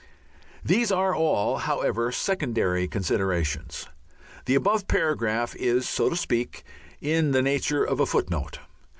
These are all, however, secondary considerations. The above paragraph is, so to speak, in the nature of a footnote.